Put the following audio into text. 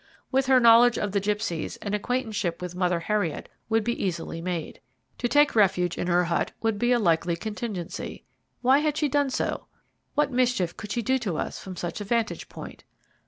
With her knowledge of the gipsies, an acquaintanceship with Mother Heriot would be easily made. To take refuge in her hut would be a likely contingency. Why had she done so? What mischief could she do to us from such a vantage point?